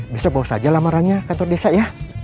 bisa bawa saja lamarannya kantor desa ya